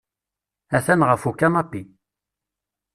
Attan ɣef ukanapi.